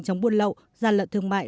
chống buồn lậu gian lận thương mại